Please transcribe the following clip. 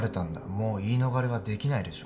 もう言い逃れはできないでしょ